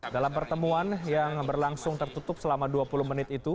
dalam pertemuan yang berlangsung tertutup selama dua puluh menit itu